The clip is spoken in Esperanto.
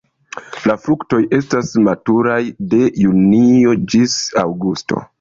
La fruktoj estas maturaj de junio ĝis aŭgusto.